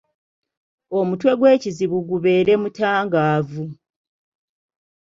Omutwe gw’ekizibu gubeere mutangaavu.